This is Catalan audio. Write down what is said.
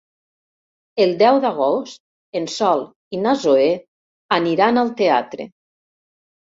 El deu d'agost en Sol i na Zoè aniran al teatre.